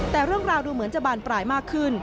แต่เรื่องราวดูเหมือนจะบานปลายมากขึ้น